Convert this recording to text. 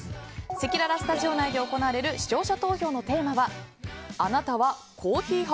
せきららスタジオ内で行われる視聴者投票のテーマはあなたはコーヒー派？